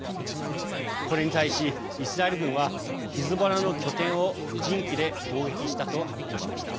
これに対し、イスラエル軍はヒズボラの拠点を無人機で攻撃したと発表しました。